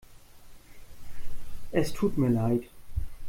Es tut mir leid.